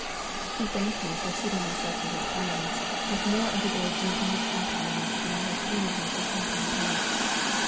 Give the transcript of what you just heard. "He thanked me for suiting myself to his plans, with more of his old gentleness and kindness than I had seen in him for some time past.